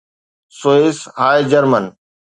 Swiss هاء German